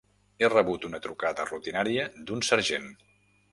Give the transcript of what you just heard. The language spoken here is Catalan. Ha rebut una trucada rutinària d'un sergent.